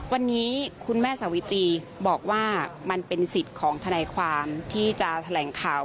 วันนี้คุณแม่สวิตรีบอกว่ามันเป็นสิทธิ์ของทนายความที่จะแถลงข่าว